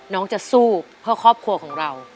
จะสู้เพื่อครอบครัวของเรา